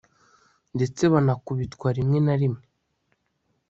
ndetse banakubitwa rimwe na rimwe